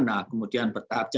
nah kemudian bertahap